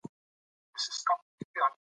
ژمی د افغانستان د امنیت په اړه هم اغېز لري.